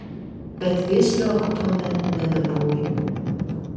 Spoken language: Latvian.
Bet virsroku tomēr nedabūji.